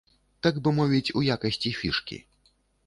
Так бы мовіць, у якасці фішкі.